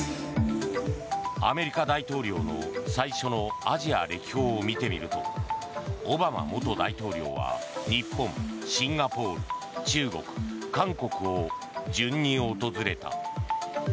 アメリカ大統領の最初のアジア歴訪を見てみるとオバマ元大統領は日本、シンガポール中国、韓国を順に訪れた。